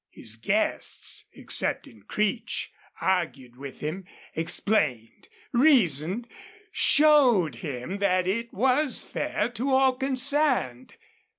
His guests, excepting Creech, argued with him, explained, reasoned, showed him that it was fair to all concerned.